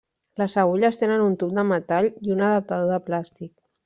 Les agulles tenen un tub de metall i un adaptador de plàstic.